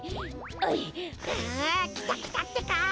あきたきたってか。